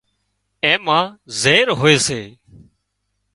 اين مان زهر هوئي سي